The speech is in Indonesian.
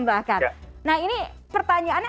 bahkan nah ini pertanyaannya